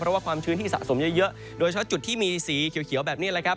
เพราะว่าความชื้นที่สะสมเยอะโดยเฉพาะจุดที่มีสีเขียวแบบนี้แหละครับ